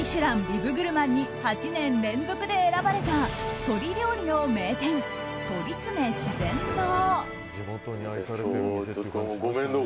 ビブグルマンに８年連続で選ばれた鶏料理の名店、鳥つね自然洞。